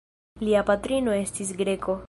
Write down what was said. Lia patrino estis greko.